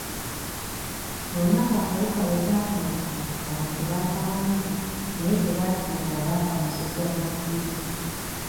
Ku lunaku akawuka lwe kaatandika abantu baafa bangi naye tebaasinga baafa musujja gwa nsiri.